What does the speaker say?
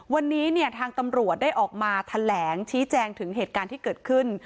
วันนี้เนี่ยทางตำรวจได้ออกมาแถลงชี้แจงถึงเหตุการณ์ที่เกิดขึ้น